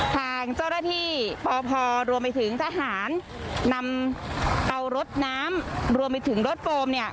ทางเจ้าหน้าที่ปพรวมไปถึงทหารนำเอารถน้ำรวมไปถึงรถโฟมเนี่ย